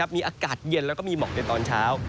๒๕๒๘มีอากาศเย็นและมีหมอกในตอนเช้า